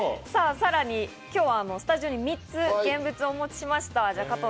さらに今日はスタジオに３つ現物をお持ちしました。